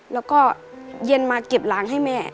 แล้วก็เย็นมาเก็บล้างให้แม่